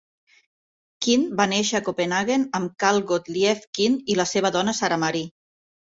Kyhn va néixer a Copenhaguen amb Carl Gottlieb Kyhn i la seva dona Sara Marie.